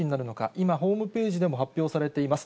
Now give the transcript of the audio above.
今、ホームページでも発表されています。